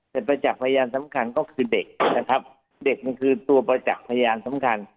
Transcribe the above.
แต่ประจักษ์พยานสำคัญก็คือเด็กนะครับเด็กมันคือตัวประจักษ์พยานสำคัญ